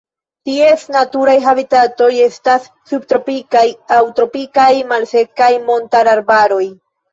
Ties naturaj habitatoj estas subtropikaj aŭ tropikaj malsekaj montararbaroj.